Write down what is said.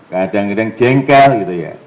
kadang kadang jengkel gitu ya